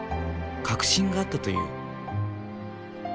確信があったという。